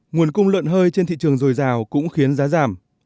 nguồn cung lợn hơi trên thị trường dồi dào cũng khiến giá giảm